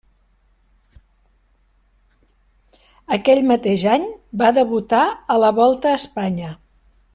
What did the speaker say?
Aquell mateix any va debutar a la Volta a Espanya.